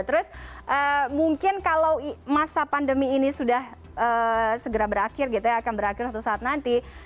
terus mungkin kalau masa pandemi ini sudah segera berakhir gitu ya akan berakhir suatu saat nanti